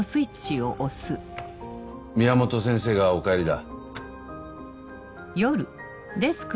宮本先生がお帰りだ。